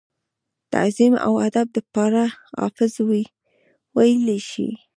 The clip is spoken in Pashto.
تعظيم او ادب دپاره حافظ وئيلی شي ۔